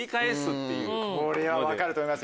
これは分かると思います